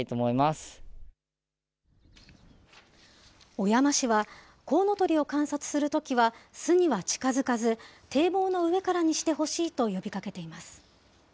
小山市は、コウノトリを観察するときは、巣には近づかず、堤防の上からにしてほしいと呼びかけています。